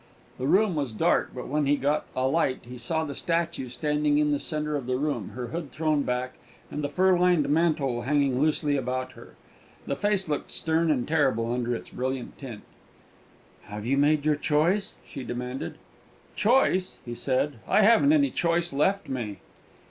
The room was dark, but when he got a light he saw the statue standing in the centre of the room, her hood thrown back, and the fur lined mantle hanging loosely about her; the face looked stern and terrible under its brilliant tint. "Have you made your choice?" she demanded. "Choice!" he said. "I haven't any choice left me!"